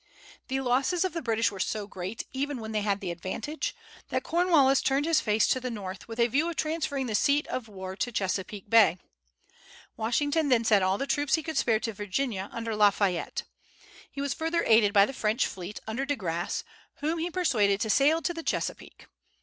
The losses of the British were so great, even when they had the advantage, that Cornwallis turned his face to the North, with a view of transferring the seat of war to Chesapeake Bay. Washington then sent all the troops he could spare to Virginia, under La Fayette. He was further aided by the French fleet, under De Grasse, whom he persuaded to sail to the Chesapeake.